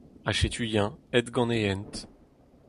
Ha setu-eñ aet gant e hent.